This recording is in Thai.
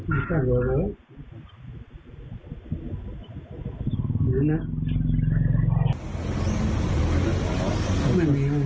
มีใกล้ร้อยไหม